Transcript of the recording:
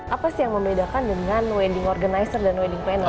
apa sih yang membedakan dengan wedding organizer dan wedding plan